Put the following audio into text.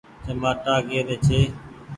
چمآٽآ ڪي ري ڇي ۔